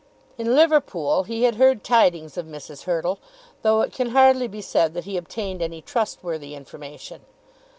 In Liverpool he had heard tidings of Mrs. Hurtle, though it can hardly be said that he obtained any trustworthy information.